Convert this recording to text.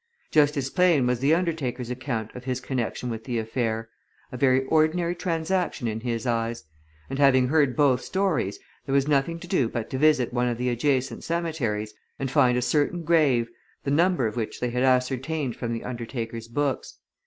Just as plain was the undertaker's account of his connection with the affair a very ordinary transaction in his eyes. And having heard both stories, there was nothing to do but to visit one of the adjacent cemeteries and find a certain grave the number of which they had ascertained from the undertaker's books.